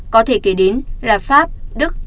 có thể kể đến là pháp đức